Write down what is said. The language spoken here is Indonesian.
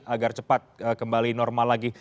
agar cepat kembali normal lagi